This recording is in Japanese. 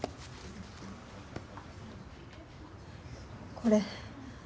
これ。